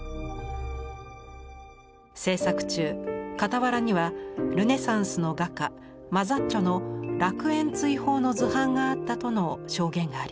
制作中傍らにはルネサンスの画家マザッチョの「楽園追放」の図版があったとの証言があります。